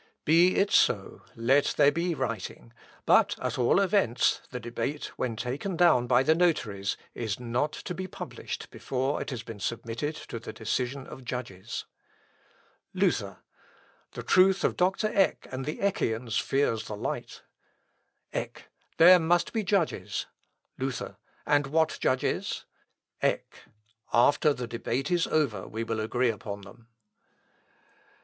_ "Be it so, let there be writing; but, at all events, the debate, when taken down by the notaries, is not to be published before it has been submitted to the decision of judges." Luther. "The truth of Dr. Eck and the Eckians fears the light." Eck. "There must be judges." Luther. "And what judges?" Eck. "After the debate is over we will agree upon them."